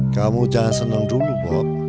kamu jangan seneng dulu bop